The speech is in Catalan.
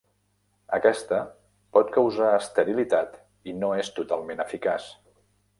Aquesta pot causar esterilitat i no és totalment eficaç.